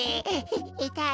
いいたい。